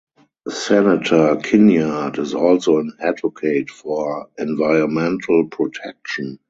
Senator Kinnaird is also an advocate for environmental protection.